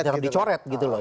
tidak dicoret gitu loh